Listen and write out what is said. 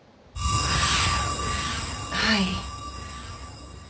はい。